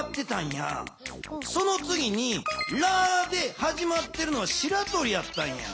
そのつぎに「ラ」ではじまってるのはしらとりやったんや。